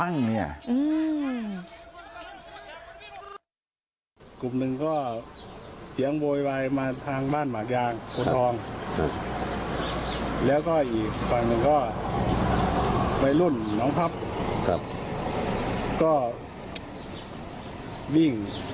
นี่นะตั้งแห้ง